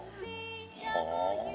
はあ。